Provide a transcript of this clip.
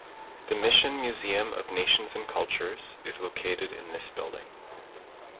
The Mission museum of nations and cultures is located in this building.